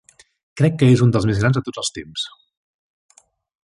Crec que és un dels més grans de tots els temps.